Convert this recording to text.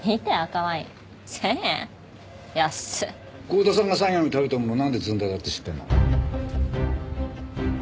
郷田さんが最後に食べたものなんでずんだだって知ってるの？